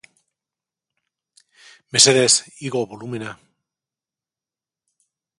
Mesedez igo bolumena